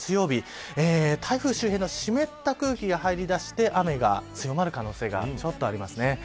日台風周辺の湿った空気が入りだして雨が強まる可能性があります。